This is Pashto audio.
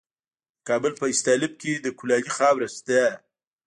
د کابل په استالف کې د کلالي خاوره شته.